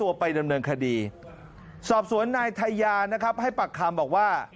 ตัวไปเริ่มเริ่มคดีสอบสวนนายไทยานะครับให้ปักคำบอกว่า